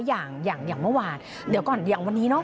อย่างอย่างเมื่อวานเดี๋ยวก่อนอย่างวันนี้เนาะ